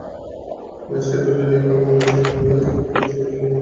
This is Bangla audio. সেই ড্রোন নিয়েই কাল বাংলাদেশ সেনাবাহিনীর কাছে দুঃখ প্রকাশ করেছে দক্ষিণ আফ্রিকা ক্রিকেট।